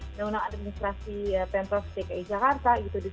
undang undang administrasi pemprov dki jakarta gitu